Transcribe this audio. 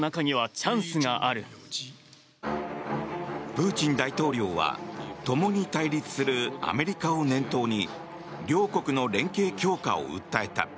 プーチン大統領はともに対立するアメリカを念頭に両国の連携強化を訴えた。